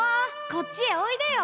こっちへおいでよ。